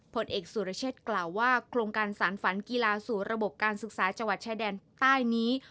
ผลเอกสุรเชษฐ์กล่าวว่าโครงการสารฝันกีฬาสู่ระบบการศึกษาจังหวัดชายแดนใต้นี้